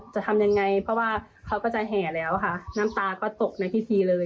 จะทำยังไงเพราะว่าเขาก็จะแห่แล้วค่ะน้ำตาก็ตกในพิธีเลย